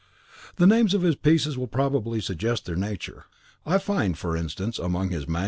The names of his pieces will probably suggest their nature. I find, for instance, among his MSS.